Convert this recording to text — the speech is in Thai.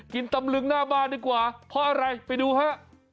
ตำลึงหน้าบ้านดีกว่าเพราะอะไรไปดูฮะ